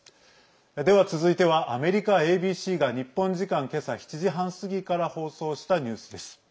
では、続いてはアメリカＡＢＣが日本時間けさ７時半過ぎから放送したニュースです。